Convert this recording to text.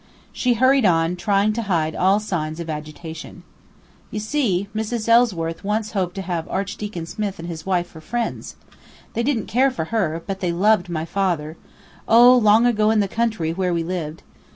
She hurried on, trying to hide all signs of agitation. "You see, Mrs. Ellsworth once hoped to have Archdeacon Smith and his wife for friends. They didn't care for her, but they loved my father oh, long ago in the country, where we lived.